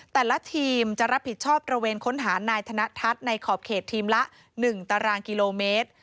แต่ละทีมจะรับผิดชอบตระเวนค้นหานายธนทัศน์ในขอบเขตทีมละ๑ตารางกิโลเมตร